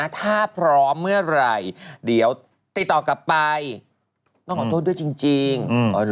ถ้าพร้อมเมื่อไหร่เดี๋ยวติดต่อกลับไปต้องขอโทษด้วยจริง